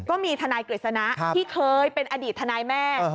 ก็มีทำนายเกรียจสนะที่เคยเป็นอดีตทำนายแม่